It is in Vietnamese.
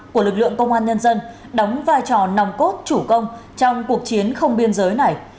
của lực lượng công an nhân dân đóng vai trò nòng cốt chủ công trong cuộc chiến không biên giới này